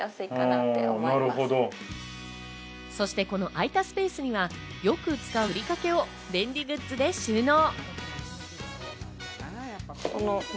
そしてこのあいたスペースにはよく使うふりかけを便利グッズで収納。